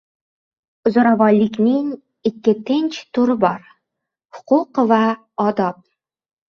Zo‘ravonlikning ikki tinch turi bor: huquq va odob.